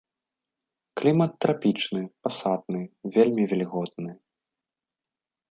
Клімат трапічны пасатны, вельмі вільготны.